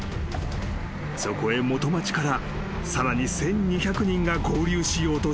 ［そこへ元町からさらに１，２００人が合流しようとしていたのだ］